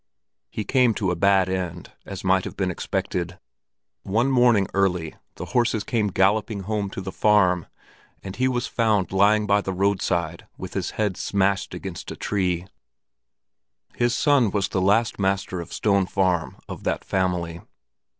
He came to a bad end, as might have been expected. One morning early, the horses came galloping home to the farm, and he was found lying by the roadside with his head smashed against a tree. His son was the last master of Stone Farm of that family.